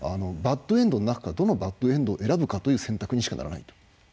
バッドエンドの中からどのバッドエンドを選ぶかという選択にしかならない。